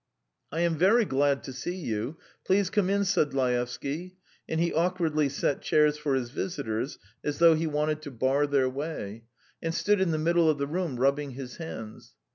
"I am very glad to see you. ... Please come in," said Laevsky, and he awkwardly set chairs for his visitors as though he wanted to bar their way, and stood in the middle of the room, rubbing his hands.